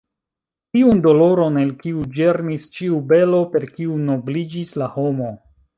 Tiun doloron, el kiu ĝermis ĉiu belo, per kiu nobliĝis la homo.